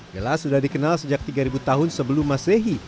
gelas sudah dikenal sejak tiga tahun sebelum masehi